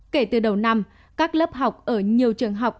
kể từ đầu năm các lớp học ở nhiều trường học